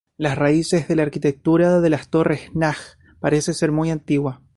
Las raíces de la arquitectura de las torres naj parece ser muy antigua.